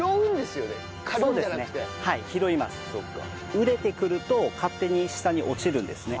熟れてくると勝手に下に落ちるんですね。